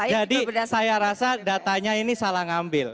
jadi saya rasa datanya ini salah ngambil